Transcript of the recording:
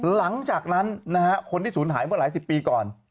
หลังจากนั้นคนที่ศูนย์หายเมื่อหลายสิบปีก่อน